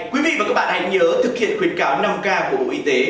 quý vị và các bạn hãy nhớ thực hiện khuyến cáo năm k của bộ y tế